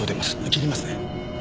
切りますね。